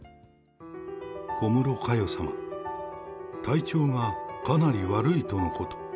小室佳代様、体調がかなり悪いとのこと。